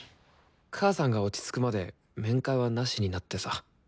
母さんが落ち着くまで面会はなしになってさ。